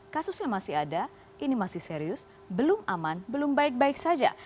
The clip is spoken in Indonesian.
kasusnya masih ada ini masih serius belum aman belum baik baik saja